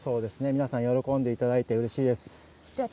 皆さん喜んでいただいてうれしいです。